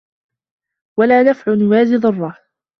وَلَا نَفْعٌ يُوَازِي ضُرَّهُ